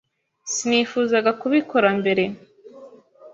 Sinifuzaga kubikora mbere.